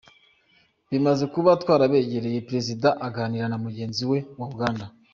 Bimaze kuba twarabegereye, Perezida aganira na mugenzi we wa Uganda.